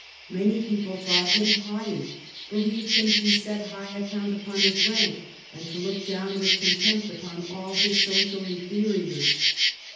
Many people thought him haughty, be Heved him to set high account upon his rank and to look down with con tempt upon all his social infe riors.